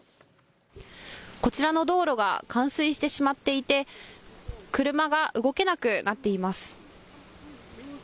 こちらの道路が冠水してしまっていて車が動けなくなっています。